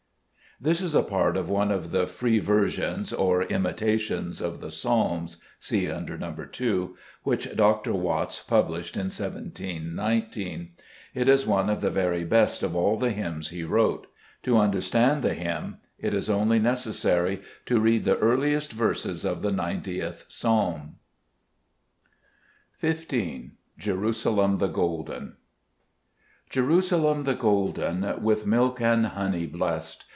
This is a part of one of the free versions or " Imita tions " of the Psalms (see under Xo. 2), which Dr. Watts published in 17 19. It is one of the very best of all the hymns he wrote. To understand the hymn, it is only necessary to read the earliest verses of the 90th psalm. 27 Zbe JBeet Cburcb IbEtnns. 15 Jerusalem tbe (Soifcen* JERUSALEM the golden, *J With milk and honey blest